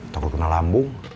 takut kena lambung